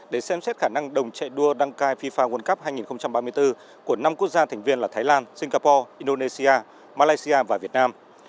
để xem xét khả năng đồng chạy đua đăng cai fifa world cup hai nghìn ba mươi bốn của năm quốc gia thành viên là thái lan singapore indonesia malaysia và việt nam